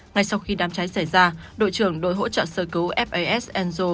ngay sau khi đám cháy xảy ra đội trưởng đội hỗ trợ sơ cứu fas ango